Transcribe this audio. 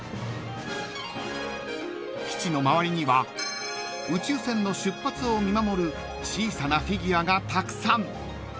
［基地の周りには宇宙船の出発を見守る小さなフィギュアがたくさん］